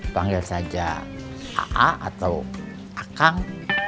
panggil saja a'a atau a'kang